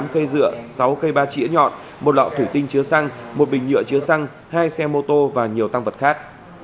tám cây dựa sáu cây ba chỉa nhọn một lọ thủ tinh chứa xăng một bình nhựa chứa xăng hai xe mô tô và nhiều tăng vật khác